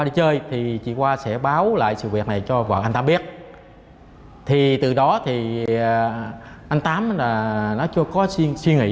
để thực hiện hành vi trên thì anh tám vào buổi sáng